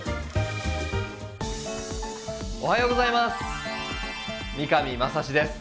おはようございます。